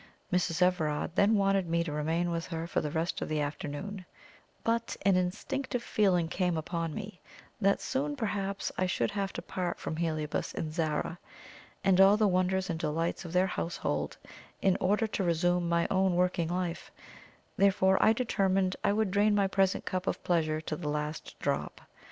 Mrs. Everard then wanted me to remain with her for the rest of the afternoon; but an instinctive feeling came upon me, that soon perhaps I should have to part from Heliobas and Zara, and all the wonders and delights of their household, in order to resume my own working life therefore I determined I would drain my present cup of pleasure to the last drop.